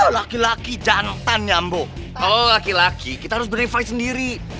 laki laki jantan nyambo kalau lo laki laki kita harus beneran fight sendiri